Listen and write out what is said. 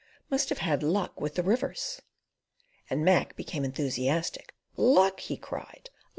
Must have had luck with the rivers"; and Mac became enthusiastic. "Luck!" he cried.